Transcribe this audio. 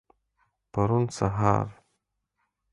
پرون سهار.